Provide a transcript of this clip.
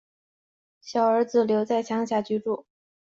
小儿子留在乡下居住